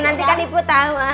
nanti kan ibu tahu